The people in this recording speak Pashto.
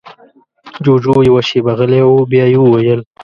جُوجُو يوه شېبه غلی و، بيا يې وويل: